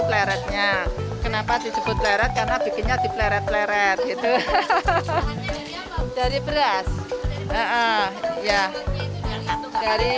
kleretnya kenapa disebut leret karena bikinnya dipeleret peleret itu hahaha dari beras ya dari